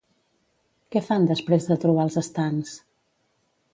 Què fan després de trobar els estants?